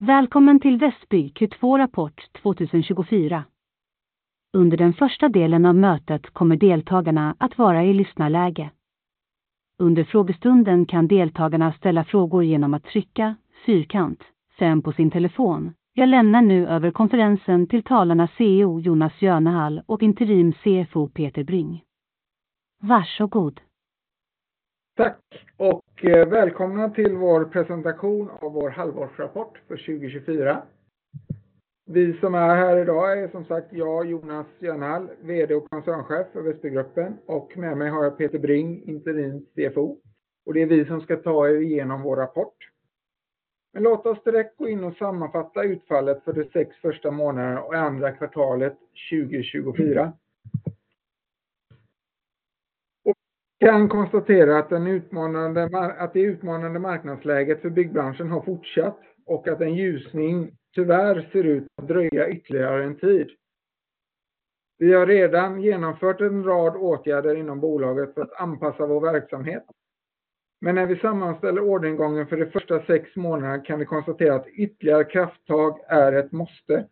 Välkommen till Wesby Q2-rapport 2024. Under den första delen av mötet kommer deltagarna att vara i lyssnarläge. Under frågestunden kan deltagarna ställa frågor genom att trycka fyrkant, sen på sin telefon. Jag lämnar nu över konferensen till talarna CEO Jonas Jönahall och interim CFO Peter Bring. Varsågod! Tack och välkomna till vår presentation av vår halvårsrapport för 2024. Vi som är här idag är som sagt jag, Jonas Jönahall, VD och koncernchef för Wesbygruppen, och med mig har jag Peter Bring, interim CFO. Det är vi som ska ta er igenom vår rapport. Men låt oss direkt gå in och sammanfatta utfallet för de sex första månaderna och andra kvartalet 2024. Vi kan konstatera att det utmanande marknadsläget för byggbranschen har fortsatt och att en ljusning tyvärr ser ut att dröja ytterligare en tid. Vi har redan genomfört en rad åtgärder inom bolaget för att anpassa vår verksamhet. Men när vi sammanställer orderingången för de första sex månaderna kan vi konstatera att ytterligare krafttag är ett måste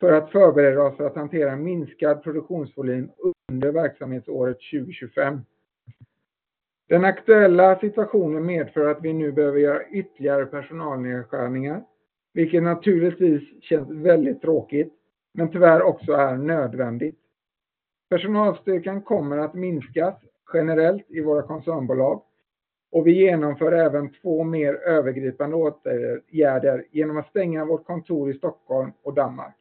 för att förbereda oss för att hantera minskad produktionsvolym under verksamhetsåret 2025. Den aktuella situationen medför att vi nu behöver göra ytterligare personalnedskärningar, vilket naturligtvis känns väldigt tråkigt, men tyvärr också är nödvändigt. Personalstyrkan kommer att minskas generellt i våra koncernbolag och vi genomför även två mer övergripande åtgärder genom att stänga vårt kontor i Stockholm och Danmark.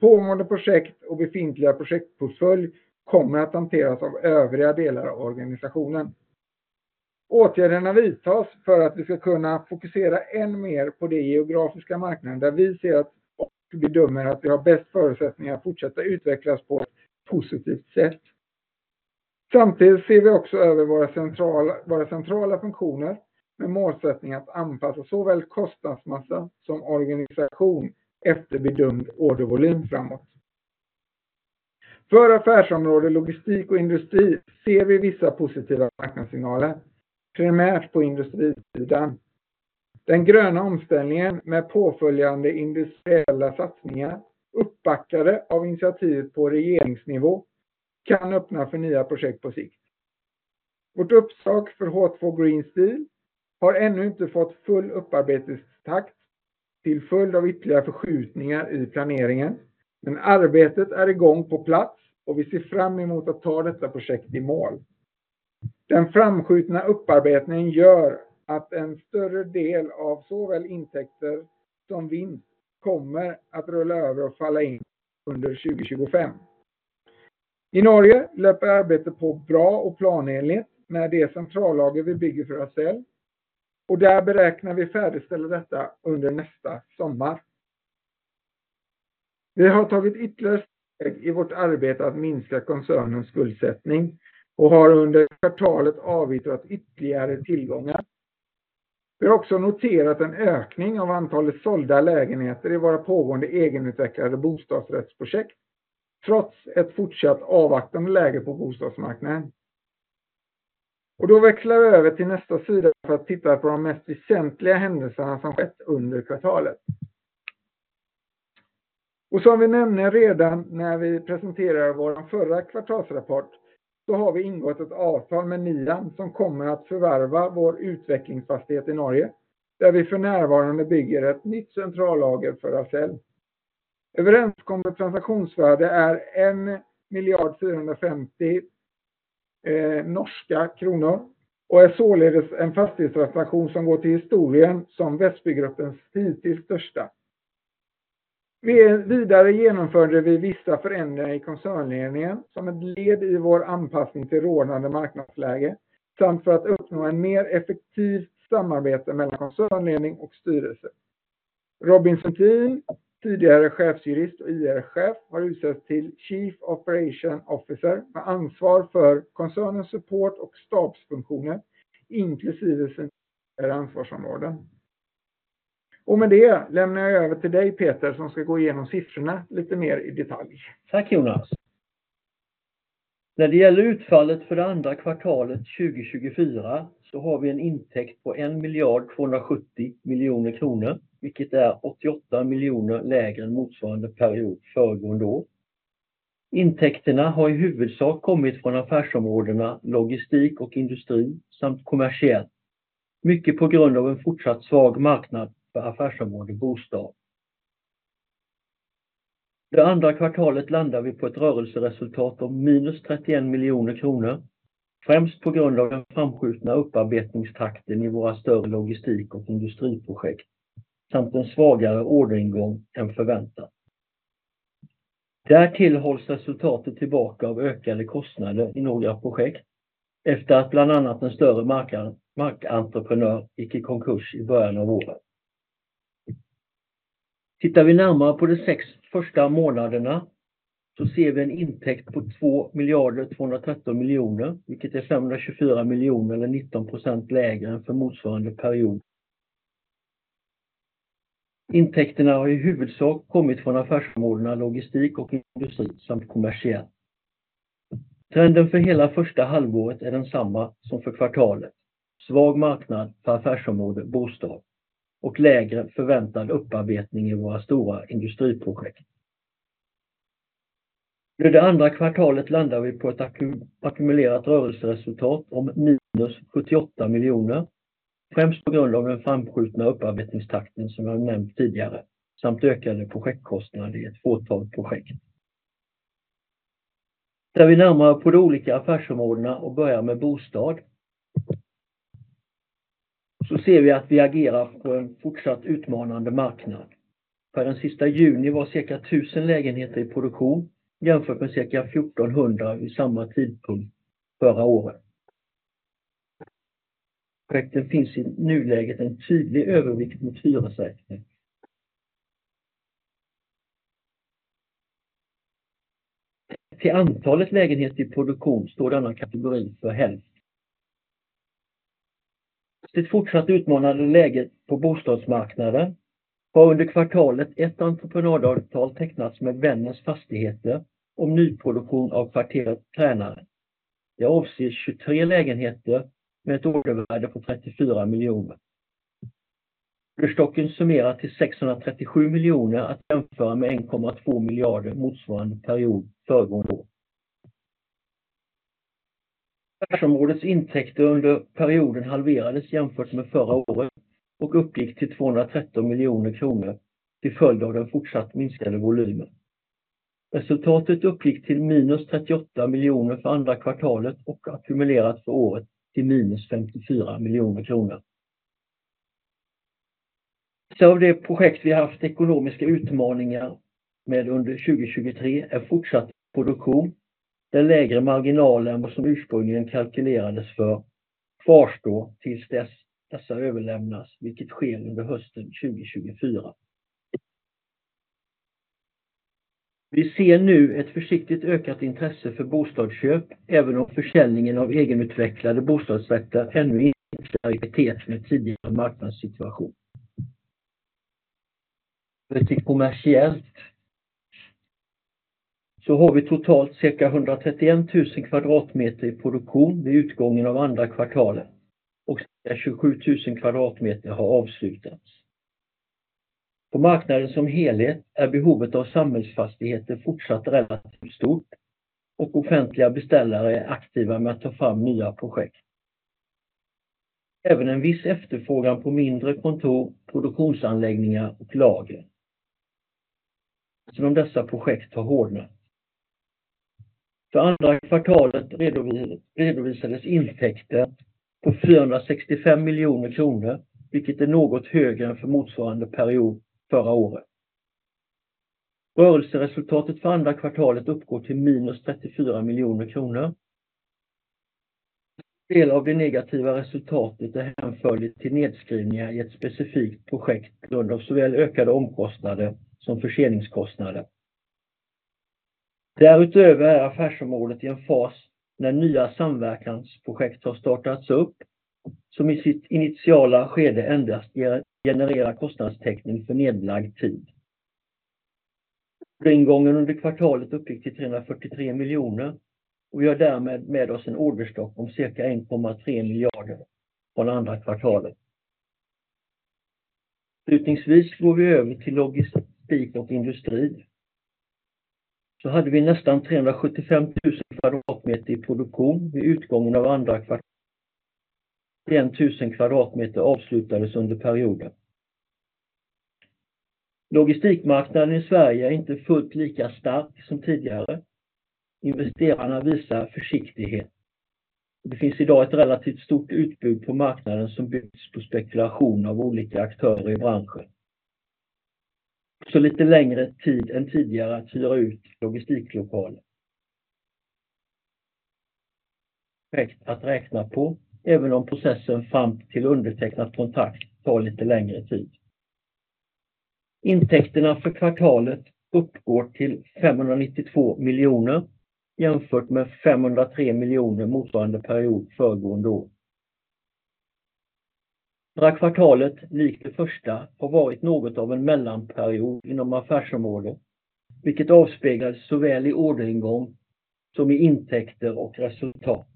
Pågående projekt och befintliga projektportfölj kommer att hanteras av övriga delar av organisationen. Åtgärderna vidtas för att vi ska kunna fokusera än mer på den geografiska marknaden, där vi bedömer att vi har bäst förutsättningar att fortsätta utvecklas på ett positivt sätt. Samtidigt ser vi också över våra centrala funktioner med målsättning att anpassa såväl kostnadsmassa som organisation efter bedömd ordervolym framåt. För affärsområdet logistik och industri ser vi vissa positiva marknadssignaler, primärt på industrisidan. Den gröna omställningen med påföljande industriella satsningar, uppbackade av initiativ på regeringsnivå, kan öppna för nya projekt på sikt. Vårt uppdrag för H2 Green Steel har ännu inte fått full upparbetstakt till följd av ytterligare förskjutningar i planeringen, men arbetet är i gång på plats och vi ser fram emot att ta detta projekt i mål. Den framskjutna upparbetningen gör att en större del av såväl intäkter som vinst kommer att rulla över och falla in under 2025. I Norge löper arbetet på bra och planenligt med det centrallager vi bygger för oss själva, och där beräknar vi färdigställa detta under nästa sommar. Vi har tagit ytterligare steg i vårt arbete att minska koncernens skuldsättning och har under kvartalet avyttrat ytterligare tillgångar. Vi har också noterat en ökning av antalet sålda lägenheter i våra pågående egenutvecklade bostadsrättsprojekt, trots ett fortsatt avvaktande läge på bostadsmarknaden. Då växlar vi över till nästa sida för att titta på de mest väsentliga händelserna som skett under kvartalet. Och som vi nämner redan när vi presenterar vår förra kvartalsrapport, så har vi ingått ett avtal med Nian som kommer att förvärva vår utvecklingsfastighet i Norge, där vi för närvarande bygger ett nytt centrallager för oss själva. Överenskommet transaktionsvärde är 1,45 miljarder norska kronor och är således en fastighetstransaktion som går till historien som Wesbygruppens hittills största. Vidare genomförde vi vissa förändringar i koncernledningen som ett led i vår anpassning till rådande marknadsläge, samt för att uppnå ett mer effektivt samarbete mellan koncernledning och styrelse. Robin Sundin, tidigare chefsjurist och IR-chef, har utsetts till Chief Operation Officer med ansvar för koncernens support och stabsfunktioner, inklusive sina ansvarsområden. Och med det lämnar jag över till dig, Peter, som ska gå igenom siffrorna lite mer i detalj. Tack Jonas! När det gäller utfallet för det andra kvartalet 2024, så har vi en intäkt på 1,270 miljoner kronor, vilket är 88 miljoner lägre än motsvarande period föregående år. Intäkterna har i huvudsak kommit från affärsområdena logistik och industri samt kommersiellt, mycket på grund av en fortsatt svag marknad för affärsområdet bostad. Det andra kvartalet landar vi på ett rörelseresultat om minus 31 miljoner kronor, främst på grund av den framskjutna upparbetningstakten i våra större logistik- och industriprojekt samt en svagare orderingång än förväntat. Därtill hålls resultatet tillbaka av ökade kostnader i några projekt efter att bland annat en större markentreprenör gick i konkurs i början av året. Tittar vi närmare på de sex första månaderna, så ser vi en intäkt på 2,213 miljoner kronor, vilket är 524 miljoner eller 19% lägre än för motsvarande period. Intäkterna har i huvudsak kommit från affärsområdena logistik och industri, samt kommersiellt. Trenden för hela första halvåret är densamma som för kvartalet. Svag marknad för affärsområde bostad och lägre förväntad upparbetning i våra stora industriprojekt. Under det andra kvartalet landar vi på ett ackumulerat rörelseresultat om minus 78 miljoner, främst på grund av den framskjutna upparbetningstakten som jag har nämnt tidigare, samt ökade projektkostnader i ett fåtal projekt. När vi närmar oss de olika affärsområdena och börjar med bostad, så ser vi att vi agerar på en fortsatt utmanande marknad. För den 30 juni var cirka 1 000 lägenheter i produktion, jämfört med cirka 1 400 vid samma tidpunkt förra året. Projekten finns i nuläget en tydlig övervikt mot hyresrätter. Till antalet lägenheter i produktion står denna kategori för hälften. Det fortsatt utmanande läget på bostadsmarknaden har under kvartalet ett entreprenadavtal tecknats med Vännens Fastigheter om nyproduktion av kvarteret Tränaren. Det avser tjugotre lägenheter med ett ordervärde på 34 miljoner. Orderstocken summerar till 637 miljoner att jämföra med 1,2 miljarder motsvarande period föregående år. Affärsområdets intäkter under perioden halverades jämfört med förra året och uppgick till 213 miljoner kronor till följd av den fortsatt minskade volymen. Resultatet uppgick till minus 38 miljoner för andra kvartalet och ackumulerat för året till minus 54 miljoner kronor. Av det projekt vi haft ekonomiska utmaningar med under 2023 är fortsatt produktion. Den lägre marginalen som ursprungligen kalkylerades för kvarstår tills dess dessa överlämnas, vilket sker under hösten 2024. Vi ser nu ett försiktigt ökat intresse för bostadsköp, även om försäljningen av egenutvecklade bostadsrätter ännu inte i paritet med tidigare marknadssituation. Kommersiellt har vi totalt cirka 131 000 kvadratmeter i produktion vid utgången av andra kvartalet och 27 000 kvadratmeter har avslutats. På marknaden som helhet är behovet av samhällsfastigheter fortsatt relativt stort och offentliga beställare är aktiva med att ta fram nya projekt. Även en viss efterfrågan på mindre kontor, produktionsanläggningar och lager. Som om dessa projekt tar hårdare. För andra kvartalet redovisades intäkter på 465 miljoner kronor, vilket är något högre än för motsvarande period förra året. Rörelseresultatet för andra kvartalet uppgår till minus 34 miljoner kronor. En del av det negativa resultatet är hänförligt till nedskrivningar i ett specifikt projekt på grund av såväl ökade omkostnader som försäljningskostnader. Därutöver är affärsområdet i en fas när nya samverkansprojekt har startats upp, som i sitt initiala skede endast genererar kostnadstäckning för nedlagd tid. Orderingången under kvartalet uppgick till 343 miljoner och vi har därmed med oss en orderstock om cirka 1,3 miljarder från andra kvartalet. Avslutningsvis går vi över till logistik och industri. Vi hade nästan 375 000 kvadratmeter i produktion vid utgången av andra kvartalet. 1 000 kvadratmeter avslutades under perioden. Logistikmarknaden i Sverige är inte fullt lika stark som tidigare. Investerarna visar försiktighet. Det finns idag ett relativt stort utbud på marknaden som byggs på spekulation av olika aktörer i branschen. Lite längre tid än tidigare att hyra ut logistiklokaler att räkna på, även om processen fram till undertecknat kontrakt tar lite längre tid. Intäkterna för kvartalet uppgår till 592 miljoner kronor, jämfört med 503 miljoner kronor motsvarande period föregående år. Andra kvartalet, likt det första, har varit något av en mellanperiod inom affärsområdet, vilket avspeglas såväl i orderingång som i intäkter och resultat.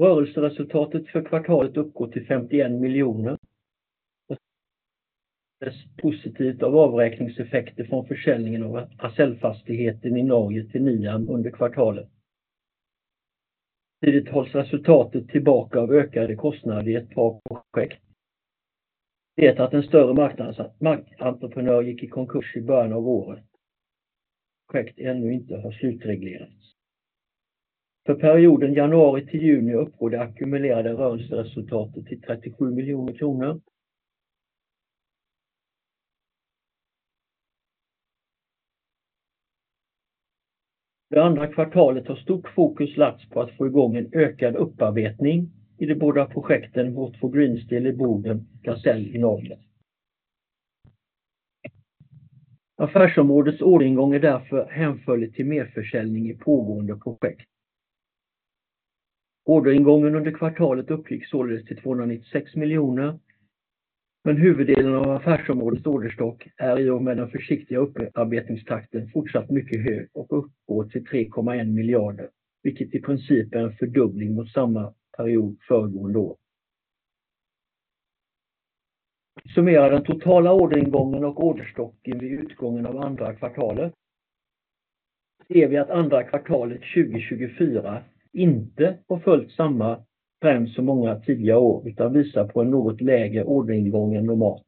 Rörelseresultatet för kvartalet uppgår till 51 miljoner kronor. Positivt av avräkningseffekter från försäljningen av parcellfastigheten i Norge till Niam under kvartalet. Samtidigt hålls resultatet tillbaka av ökade kostnader i ett par projekt. Det att en större marknadsentreprenör gick i konkurs i början av året. Projekt ännu inte har slutreglerats. För perioden januari till juni uppgår det ackumulerade rörelseresultatet till 37 miljoner kronor. Det andra kvartalet har stort fokus lagts på att få i gång en ökad upparbetning i de båda projekten, Road for Green Steel i Boden och Gaselle i Norge. Affärsområdets orderingång är därför hänförligt till merförsäljning i pågående projekt. Orderingången under kvartalet uppgick således till 296 miljoner, men huvuddelen av affärsområdets orderstock är i och med den försiktiga upparbetningstakten fortsatt mycket hög och uppgår till 3,1 miljarder, vilket i princip är en fördubbling mot samma period föregående år. Summerar den totala orderingången och orderstocken vid utgången av andra kvartalet, ser vi att andra kvartalet 2024 inte har följt samma trend som många tidiga år, utan visar på en något lägre orderingång än normalt.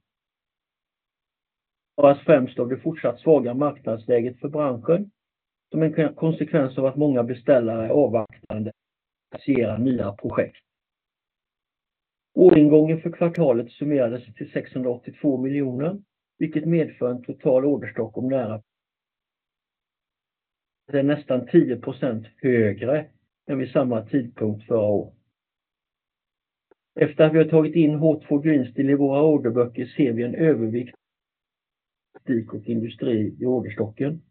Och främst av det fortsatt svaga marknadsläget för branschen, som en konsekvens av att många beställare är avvaktande att initiera nya projekt. Orderingången för kvartalet summerades till 682 miljoner, vilket medför en total orderstock om nära, det är nästan 10% högre än vid samma tidpunkt förra året. Efter att vi har tagit in H2 Green Steel i våra orderböcker ser vi en övervikt, logistik och industri i orderstocken.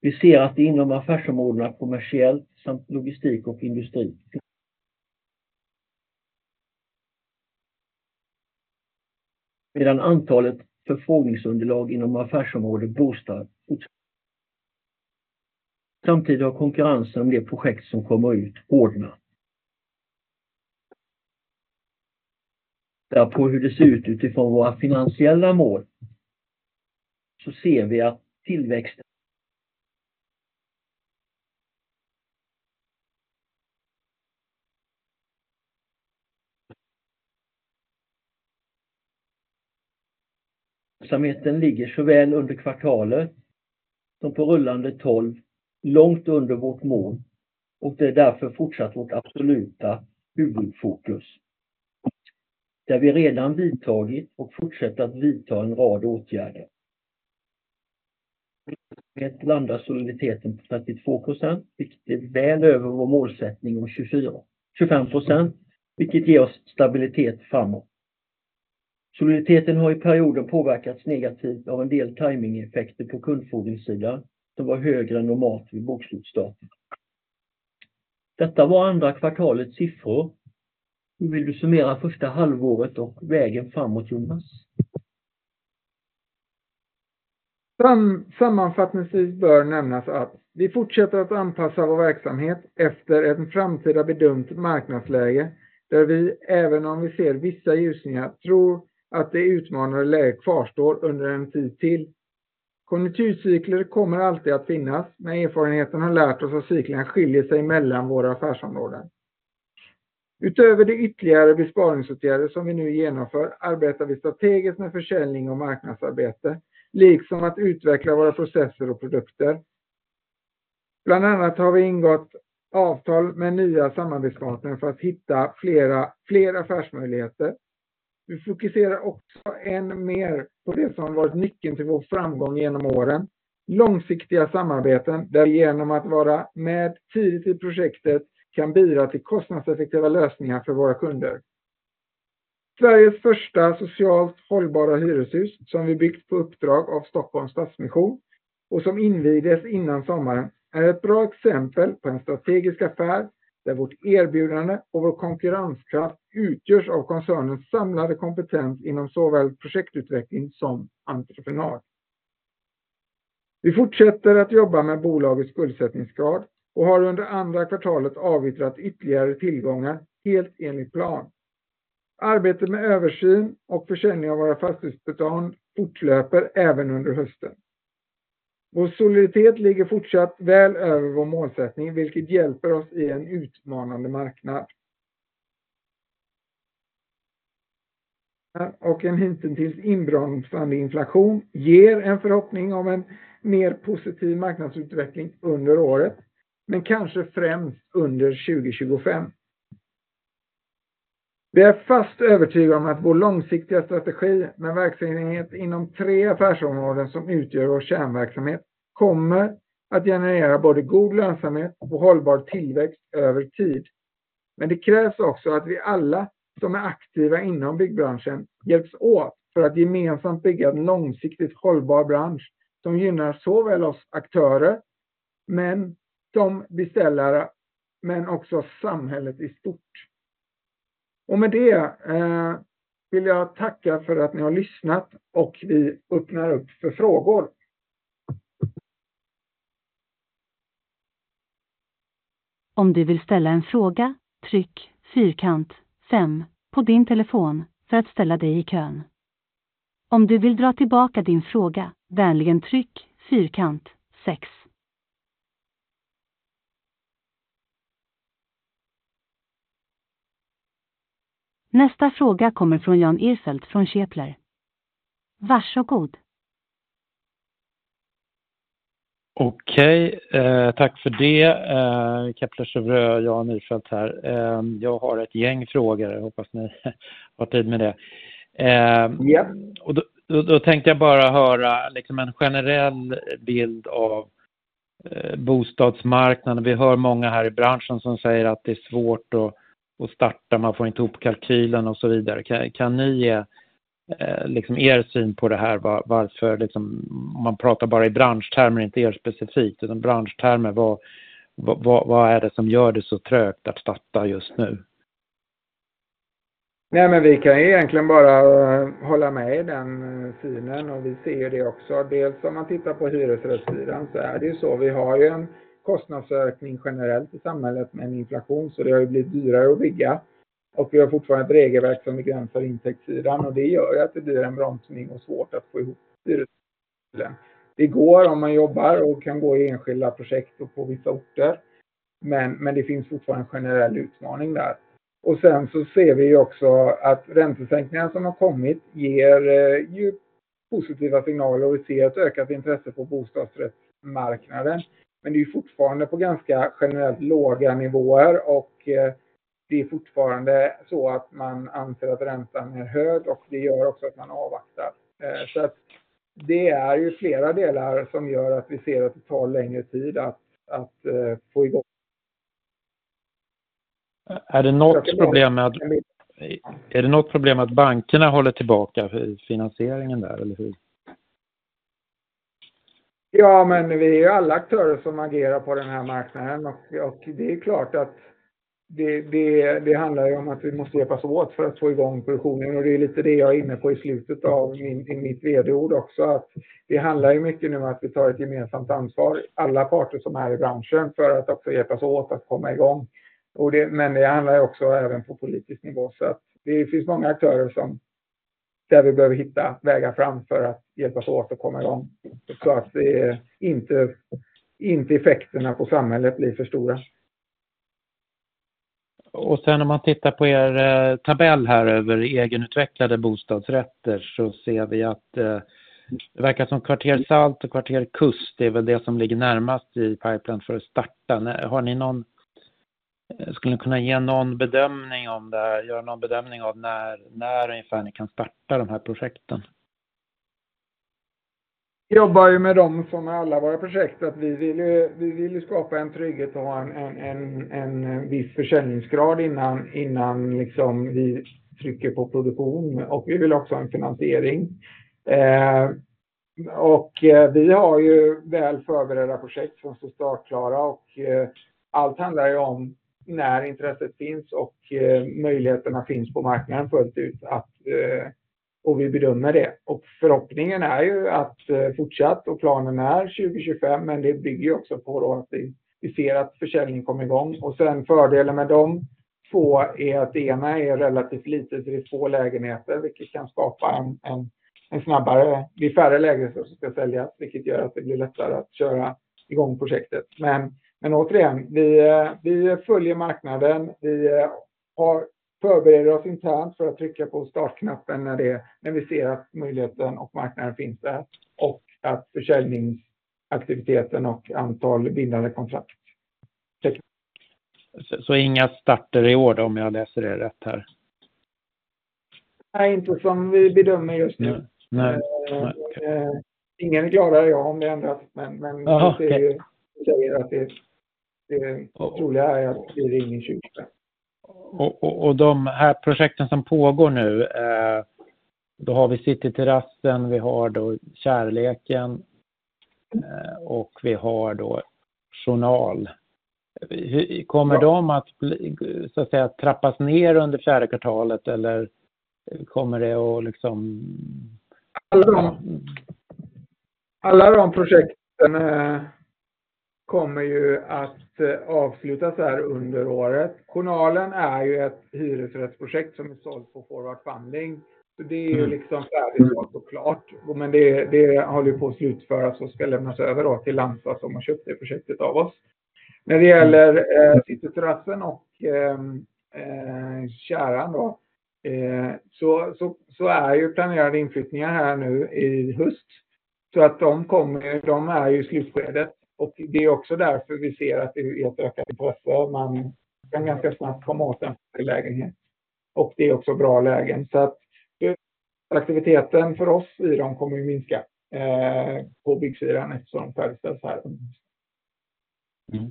Vi ser att det inom affärsområdena kommersiellt samt logistik och industri. Medan antalet förfrågningsunderlag inom affärsområdet bostad. Konkurrensen om det projekt som kommer ut hårdnat. På hur det ser ut utifrån våra finansiella mål, så ser vi att tillväxten. Verksamheten ligger såväl under kvartalet som på rullande tolv, långt under vårt mål och det är därför fortsatt vårt absoluta huvudfokus. Där vi redan vidtagit och fortsätter att vidta en rad åtgärder. Landar soliditeten på 42%, vilket är väl över vår målsättning om 24%, 25%, vilket ger oss stabilitet framåt. Soliditeten har i perioden påverkats negativt av en del timingeffekter på kundfordringssidan, som var högre än normalt vid bokslutsdatum. Detta var andra kvartalets siffror. Hur vill du summera första halvåret och vägen framåt, Jonas? Sammanfattningsvis bör nämnas att vi fortsätter att anpassa vår verksamhet efter ett framtida bedömt marknadsläge, där vi, även om vi ser vissa ljusningar, tror att det utmanande läget kvarstår under en tid till. Konjunkturcykler kommer alltid att finnas, men erfarenheten har lärt oss att cyklerna skiljer sig mellan våra affärsområden. Utöver de ytterligare besparingsåtgärder som vi nu genomför, arbetar vi strategiskt med försäljning och marknadsarbete, liksom att utveckla våra processer och produkter. Bland annat har vi ingått avtal med nya samarbetspartner för att hitta fler affärsmöjligheter. Vi fokuserar också än mer på det som har varit nyckeln till vår framgång genom åren: långsiktiga samarbeten, där vi genom att vara med tidigt i projektet kan bidra till kostnadseffektiva lösningar för våra kunder. Sveriges första socialt hållbara hyreshus, som vi byggt på uppdrag av Stockholms Stadsmission och som invigdes innan sommaren, är ett bra exempel på en strategisk affär, där vårt erbjudande och vår konkurrenskraft utgörs av koncernens samlade kompetens inom såväl projektutveckling som entreprenad. Vi fortsätter att jobba med bolagets skuldsättningsgrad och har under andra kvartalet avyttrat ytterligare tillgångar, helt enligt plan. Arbetet med översyn och försäljning av våra fastighetsbestånd fortlöper även under hösten. Vår soliditet ligger fortsatt väl över vår målsättning, vilket hjälper oss i en utmanande marknad. En hint om inbromsande inflation ger en förhoppning om en mer positiv marknadsutveckling under året, men kanske främst under 2025. Vi är fast övertygade om att vår långsiktiga strategi med verksamhet inom tre affärsområden som utgör vår kärnverksamhet, kommer att generera både god lönsamhet och hållbar tillväxt över tid. Men det krävs också att vi alla som är aktiva inom byggbranschen hjälps åt för att gemensamt bygga en långsiktigt hållbar bransch som gynnar såväl oss aktörer, men de beställare, men också samhället i stort. Och med det vill jag tacka för att ni har lyssnat och vi öppnar upp för frågor. Om du vill ställa en fråga, tryck fyrkant fem på din telefon för att ställa dig i kön. Om du vill dra tillbaka din fråga, vänligen tryck fyrkant sex. Nästa fråga kommer från Jan Irfelt från Kepler. Varsågod! Okej, tack för det. Kepler Cheuvreux, Jan Irfelt här. Jag har ett gäng frågor. Jag hoppas ni har tid med det. Japp. Och då, då tänkte jag bara höra liksom en generell bild av bostadsmarknaden. Vi hör många här i branschen som säger att det är svårt att starta, man får inte ihop kalkylen och så vidare. Kan ni ge er syn på det här? Varför, liksom man pratar bara i branschtermer, inte er specifikt, utan branschtermer. Vad är det som gör det så trögt att starta just nu? Nej, men vi kan egentligen bara hålla med i den synen och vi ser det också. Dels om man tittar på hyresrättssidan så är det ju så. Vi har ju en kostnadsökning generellt i samhället med en inflation, så det har blivit dyrare att bygga. Vi har fortfarande ett regelverk som begränsar intäktssidan och det gör ju att det blir en bromsning och svårt att få ihop hyreskylten. Det går om man jobbar och kan gå i enskilda projekt och på vissa orter, men det finns fortfarande en generell utmaning där. Sen så ser vi också att räntesänkningen som har kommit ger ju positiva signaler och vi ser ett ökat intresse på bostadsrättsmarknaden. Men det är fortfarande på ganska generellt låga nivåer och det är fortfarande så att man anser att räntan är hög och det gör också att man avvaktar. Så att det är ju flera delar som gör att vi ser att det tar längre tid att få igång. Är det något problem med att... Är det något problem att bankerna håller tillbaka i finansieringen där eller hur? Ja, men vi är alla aktörer som agerar på den här marknaden och det är klart att det handlar om att vi måste hjälpas åt för att få igång produktionen. Det är lite det jag är inne på i slutet av mitt VD-ord också. Det handlar mycket om att vi tar ett gemensamt ansvar, alla parter som är i branschen, för att också hjälpas åt att komma igång. Men det handlar också även på politisk nivå. Det finns många aktörer där vi behöver hitta vägar fram för att hjälpas åt att komma igång. Det inte effekterna på samhället blir för stora. Och sen om man tittar på er tabell här över egenutvecklade bostadsrätter, så ser vi att det verkar som Kvarter Salt och Kvarter Kust är väl det som ligger närmast i pipeline för att starta. Har ni någon... Skulle ni kunna ge någon bedömning om det här, göra någon bedömning av när, när ungefär ni kan starta de här projekten? Vi jobbar med dem som med alla våra projekt, att vi vill ju, vi vill skapa en trygghet och ha en viss försäljningsgrad innan vi trycker på produktion och vi vill också ha en finansiering. Och vi har ju väl förberedda projekt som står startklara och allt handlar ju om när intresset finns och möjligheterna finns på marknaden fullt ut. Och vi bedömer det. Och förhoppningen är ju att fortsatt och planen är 2025, men det bygger också på då att vi ser att försäljningen kommer i gång. Och sen fördelen med de två är att det ena är relativt litet, det är få lägenheter, vilket kan skapa en snabbare, det är färre lägenheter som ska säljas, vilket gör att det blir lättare att köra i gång projektet. Men återigen, vi följer marknaden. Vi har förberett oss internt för att trycka på startknappen när vi ser att möjligheten och marknaden finns där och att försäljningsaktiviteten och antal bindande kontrakt. Så inga starter i år, om jag läser det rätt här? Nej, inte som vi bedömer just nu. Nej, nej. Ingen är gladare än jag om det ändras. Men det säger att det troliga är att det inte är någon. Och de här projekten som pågår nu, då har vi Cityterassen, vi har Kärleken och vi har Journal. Kommer de att bli, så att säga, trappas ner under fjärde kvartalet? Eller kommer det att liksom- Alla de, alla de projekten kommer ju att avslutas under året. Journalen är ju ett hyresrättsprojekt som är sålt på forward funding. Det är ju liksom färdigt så klart, men det håller på att slutföras och ska lämnas över till Lansa, som har köpt det projektet av oss. När det gäller Cityterassen och Kärran då, så är ju planerade inflyttningar här nu i höst. De kommer, de är i slutskedet och det är också därför vi ser att det är ett ökat intresse. Man kan ganska snabbt komma åt de lägenheter och det är också bra lägen. Aktiviteten för oss i dem kommer att minska på byggsidan eftersom de färdigställs här. Mm.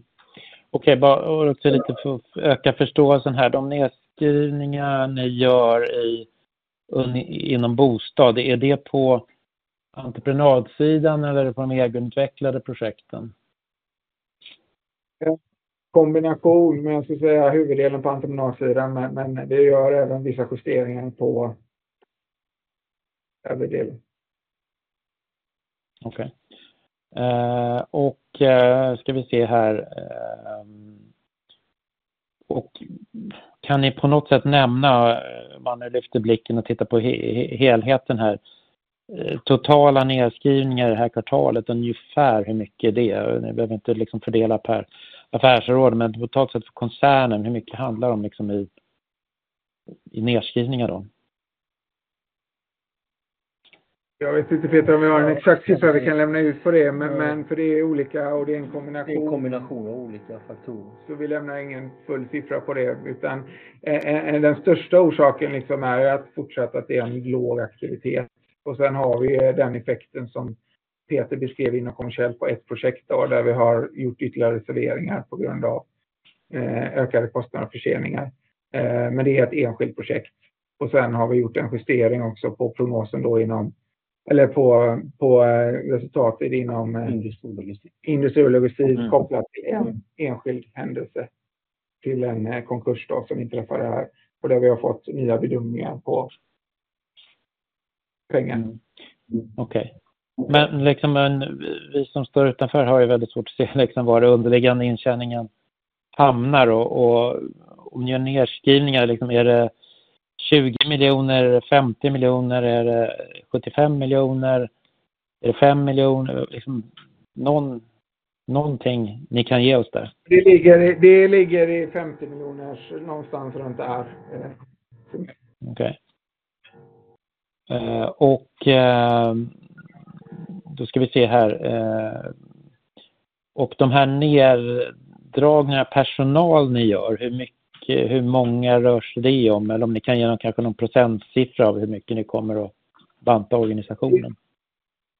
Okej, bara för att öka förståelsen här. De nedskrivningar ni gör inom bostad, är det på entreprenadsidan eller är det på de egenutvecklade projekten? En kombination, men jag skulle säga huvuddelen på entreprenadsidan, men vi gör även vissa justeringar på övrig del. Okej, och ska vi se här. Och kan ni på något sätt nämna, när man lyfter blicken och tittar på helheten här. Totala nedskrivningar det här kvartalet, ungefär hur mycket är det? Ni behöver inte liksom fördela per affärsråd, men på totalt sett för koncernen, hur mycket handlar det om liksom i nedskrivningar då? Jag vet inte Peter, om vi har en exakt siffra vi kan lämna ut på det, men för det är olika och det är en kombination. En kombination av olika faktorer. Vi lämnar ingen full siffra på det, utan den största orsaken är att det fortsatt är en låg aktivitet. Sen har vi den effekten som Peter beskrev inom kommersiellt på ett projekt, där vi har gjort ytterligare reserveringar på grund av ökade kostnader och förseningar, men det är ett enskilt projekt. Sen har vi gjort en justering också på prognosen inom, eller på resultatet inom industri och logistik kopplat till en enskild händelse, till en konkurs som inträffade här och där vi har fått nya bedömningar på pengar. Okej, men liksom vi som står utanför har ju väldigt svårt att se var den underliggande intjäningen hamnar. Och om ni gör nedskrivningar, liksom är det 20 miljoner, är det 50 miljoner? Är det 75 miljoner? Är det 5 miljoner? Liksom något ni kan ge oss där. Det ligger i femtio miljoner någonstans runt där. Okej. Och då ska vi se här. Och de här neddragningarna av personal ni gör, hur mycket-- hur många rör det sig om? Eller om ni kan ge någon procentsiffra av hur mycket ni kommer att banta organisationen?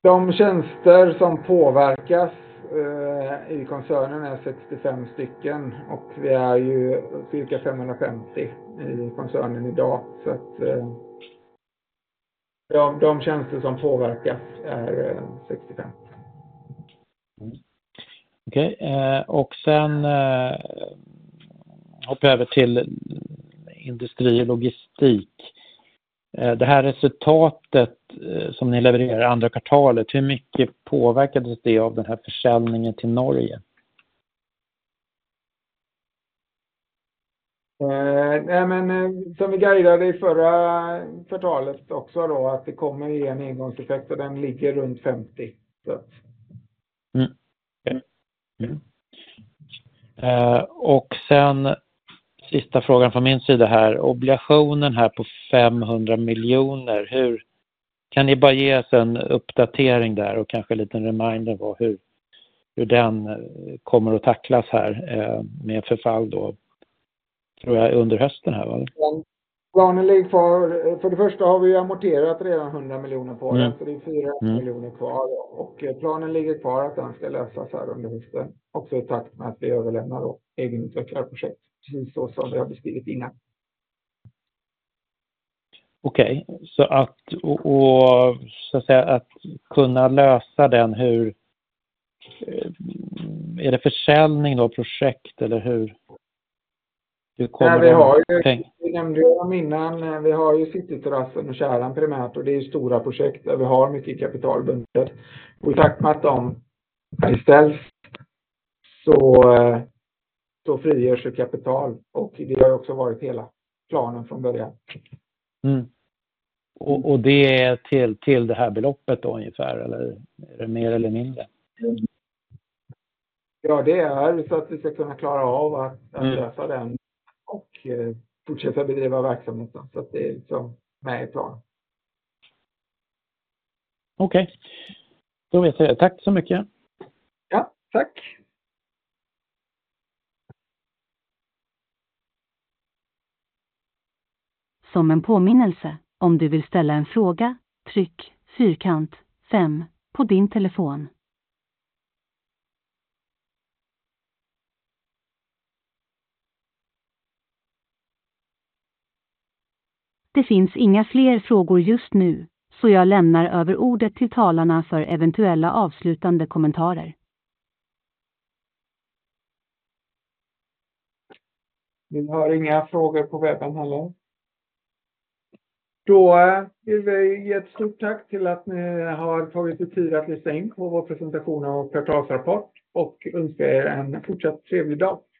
De tjänster som påverkas i koncernen är 65 stycken och vi är ju cirka 550 i koncernen idag. Så att de tjänster som påverkas är 65. Okej, och sen hoppar jag över till industri och logistik. Det här resultatet som ni levererar i andra kvartalet, hur mycket påverkades det av den här försäljningen till Norge? Nej, men som vi guidade i förra kvartalet också då, att det kommer ge en engångseffekt och den ligger runt 50. Mm. Och sen sista frågan från min sida här. Obligationen här på femhundra miljoner. Hur kan ni bara ge oss en uppdatering där och kanske en liten reminder på hur den kommer att tacklas här med förfall då? Tror jag under hösten här, va? Planen ligger kvar. För det första har vi amorterat redan hundra miljoner på den, så det är fyrahundra miljoner kvar. Planen ligger kvar att den ska lösas här under hösten. Också i takt med att vi överlämnar då egenutvecklarprojekt, precis så som vi har beskrivit innan. Okej, så att kunna lösa den, hur... Är det försäljning då av projekt eller hur? Hur kommer den- Nej, vi har ju, vi nämnde innan, vi har ju Cityterassen och Kärran primärt och det är stora projekt där vi har mycket kapital bundet. Och i takt med att de istället så, så frigörs ju kapital och det har också varit hela planen från början. Mm. Och det är till det här beloppet då ungefär, eller är det mer eller mindre? Ja, det är så att vi ska kunna klara av att lösa den och fortsätta bedriva verksamheten. Så att det är med i planen. Okej, då vet jag. Tack så mycket! Ja, tack. Som en påminnelse, om du vill ställa en fråga, tryck fyrkant fem på din telefon. Det finns inga fler frågor just nu, så jag lämnar över ordet till talarna för eventuella avslutande kommentarer. Ni har inga frågor på webben heller? Då vill vi ge ett stort tack till att ni har tagit er tid att lyssna in på vår presentation och kvartalsrapport och önskar er en fortsatt trevlig dag.